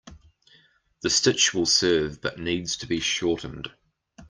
The stitch will serve but needs to be shortened.